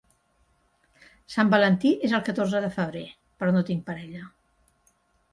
Sant Valentí és el catorze de febrer, però no tinc parella.